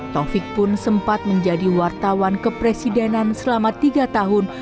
taufik pun sempat menjadi wartawan kepresidenan selama tiga tahun